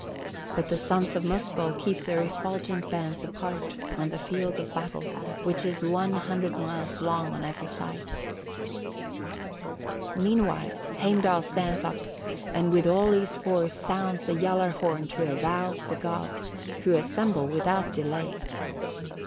But the sons of Muspell keep their effulgent bands apart on the field of battle, which is one hundred miles long on every side. 65. "Meanwhile Heimdall stands up, and with all his force sounds the Gjallar horn to arouse the gods, who assemble without delay.